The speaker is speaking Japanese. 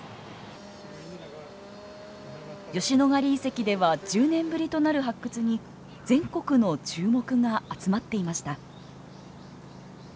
吉野ヶ里遺跡では１０年ぶりとなる発掘に全国の注目が集まっていました。